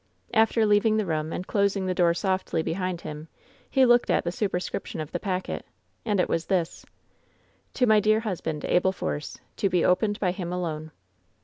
After leaving the room and closing the door softly be hind him, he looked at the superscription of the packet. And it was this: "To my dear husband, Abel Force. To be opened hy him alone."